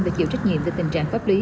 và chịu trách nhiệm về tình trạng pháp lý